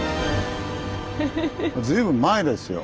随分前ですよ